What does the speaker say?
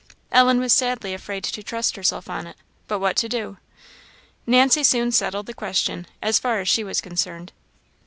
Ellen was sadly afraid to trust herself on it; but what to do? Nancy soon settled the question, as far as she was concerned.